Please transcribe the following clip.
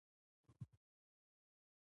ایا ستاسو ټیم همغږی دی؟